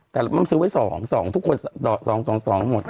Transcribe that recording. แต่มันซื้อไว้๒๒ทุกคน๒๒หมด